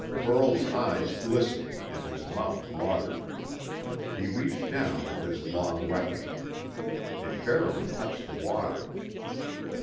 Burl's eyes glistened and his mouth watered. He reached down with his long weapon. It barely touched the water.